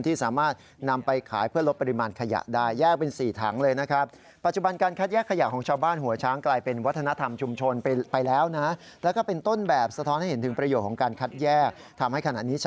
ที่สามารถนำไปขายเพื่อลดปริมาณขยะได้